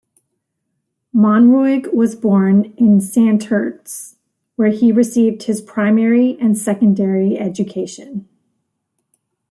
Monroig was born in Santurce, where he received his primary and secondary education.